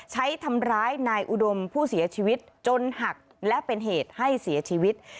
ใช้ทำร้ายนายอุดมผู้เสียชีวิตจนหักและเป็นเหตุให้เสียชีวิต